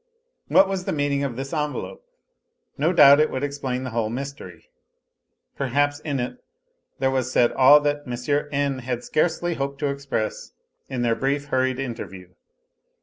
What was the meaning of this envelope ? No doubt it would explain the whole mystery. Perhaps in it there was said all that N. had scarcely hoped to express in their brief, hurried interview.